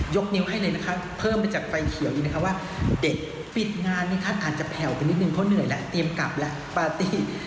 นิ้วให้เลยนะคะเพิ่มมาจากไฟเขียวอีกนะคะว่าเด็กปิดงานไหมคะอาจจะแผ่วไปนิดนึงเพราะเหนื่อยแล้วเตรียมกลับแล้วปาร์ตี้